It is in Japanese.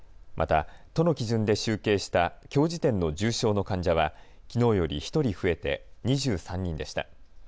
また、都の基準で集計したきょう時点の重症の患者はきのうより１人増えて２３人でした。